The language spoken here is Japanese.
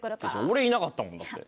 俺いなかったもんだって。